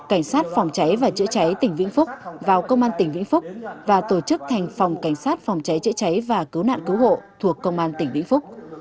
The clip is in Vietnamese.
cảnh sát phòng cháy và chữa cháy tỉnh vĩnh phúc vào công an tỉnh vĩnh phúc và tổ chức thành phòng cảnh sát phòng cháy chữa cháy và cứu nạn cứu hộ thuộc công an tỉnh vĩnh phúc